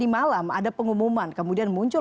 malam ada pengumuman kemudian muncul